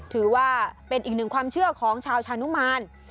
ถือว่าเป็นอีกหนึ่งความเชื่อของชาวชานุมาน